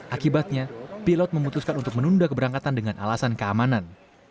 akibatnya pilot memutuskan untuk menunda keberangkatan dengan alasan keamanan